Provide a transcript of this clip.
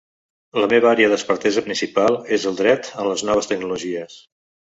La meva àrea d’expertesa principal és el dret en les noves tecnologies.